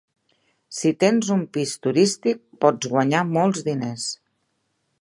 Si tens un pis turístic, pots guanyar molts diners.